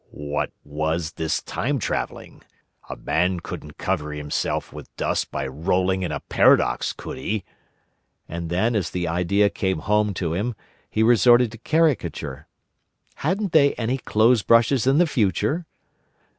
"What was this time travelling? A man couldn't cover himself with dust by rolling in a paradox, could he?" And then, as the idea came home to him, he resorted to caricature. Hadn't they any clothes brushes in the Future?